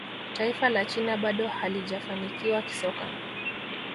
taifa la china bado halijafanikiwa kisoka